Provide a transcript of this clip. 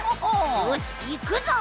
よしいくぞ！